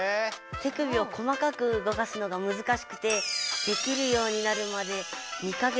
手首を細かく動かすのがむずかしくてできるようになるまで２か月かかりました。